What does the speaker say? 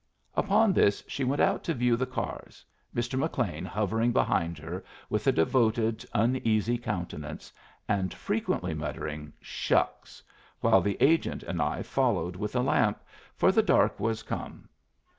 Upon this she went out to view the cars, Mr. McLean hovering behind her with a devoted, uneasy countenance, and frequently muttering "Shucks!" while the agent and I followed with a lamp, for the dark was come.